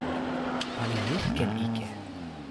pali ni li ken ike.